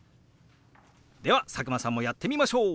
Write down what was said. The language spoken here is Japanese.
では佐久間さんもやってみましょう！